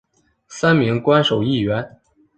三名官守议员。